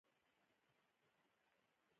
کله به مې آشنا غږونه واورېدل.